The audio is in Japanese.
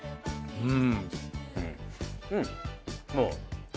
うん。